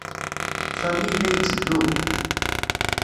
Sami yella yetteddu.